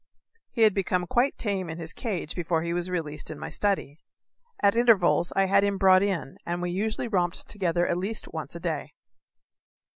He had become quite tame in his cage before he was released in my study. At intervals I had him brought in, and we usually romped together at least once a day.